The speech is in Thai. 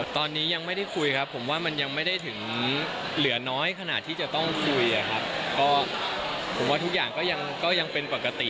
ตอนนี้ยังไม่ได้คุยครับผมว่ามันยังไม่ได้ถึงเหลือน้อยขนาดที่จะต้องคุยอะครับก็ผมว่าทุกอย่างก็ยังเป็นปกติ